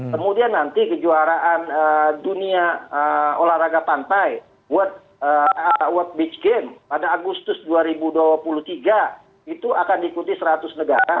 kemudian nanti kejuaraan dunia olahraga pantai world beach game pada agustus dua ribu dua puluh tiga itu akan diikuti seratus negara